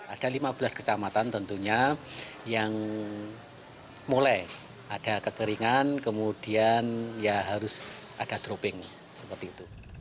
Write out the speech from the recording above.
ada lima belas kecamatan tentunya yang mulai ada kekeringan kemudian ya harus ada dropping seperti itu